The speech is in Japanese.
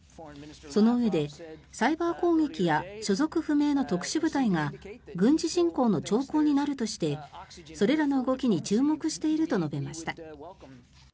そのうえで、サイバー攻撃や所属不明の特殊部隊が軍事侵攻の兆候になるとしてそれらの動きに注目していると述べました。